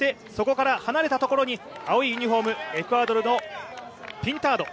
そしてそこから離れたところに青いユニフォームエクアドルのピンタード。